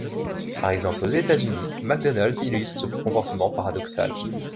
Par exemple aux États-Unis, McDonald's illustre ce comportement paradoxal.